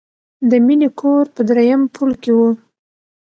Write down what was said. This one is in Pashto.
د مینې کور په دریم پوړ کې و